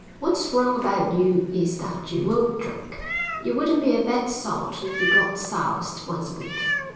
What's wrong about you is that you won't drink. You wouldn't be a bad sort if you got soused once a week."